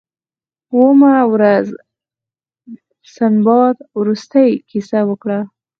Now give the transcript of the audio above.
اوومه ورځ سنباد وروستۍ کیسه وکړه.